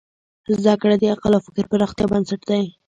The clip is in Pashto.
زدهکړه د عقل او فکر پراختیا بنسټ دی.